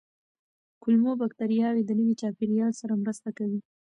کولمو بکتریاوې د نوي چاپېریال سره مرسته کوي.